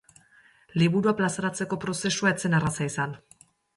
Liburua plazaratzeko prozesua ez zen erraza izan.